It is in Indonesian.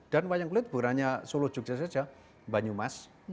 dan wayang kulit berwarna solo jogja saja banyumas